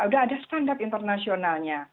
sudah ada standar internasionalnya